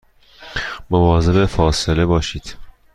مواظب فاصله باشید